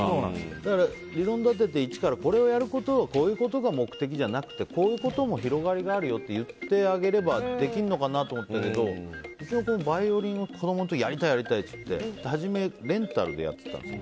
だから理論立てて１からこれをやることはこういうことが目的じゃなくてこういうことの広がりもあるよって言ってあげればできるのかなと思ったけどうちの子はバイオリン子供の時やりたいやりたいってはじめレンタルでやってたの。